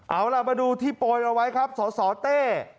เอาล่ะมาดูที่โปรยเอาไว้ครับสสเต้